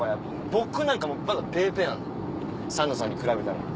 僕なんかまだぺいぺいなんでサンドさんに比べたら。